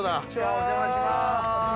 お邪魔します。